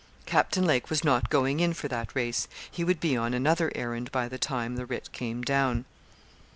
Captain Lake was not going in for that race; he would be on another errand by the time the writ came down.